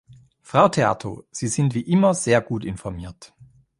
Frau Theato, Sie sind wie immer sehr gut informiert.